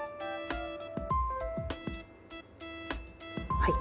はい。